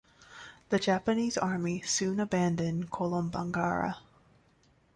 The Japanese Army soon abandoned Kolombangara.